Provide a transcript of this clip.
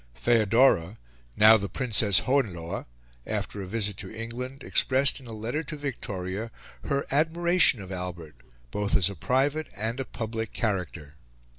Feodora, now the Princess Hohenlohe, after a visit to England, expressed in a letter to Victoria her admiration of Albert both as a private and a public character.